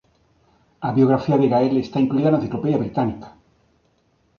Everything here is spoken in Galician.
A biografía de Gael está incluída na Enciclopedia Británica.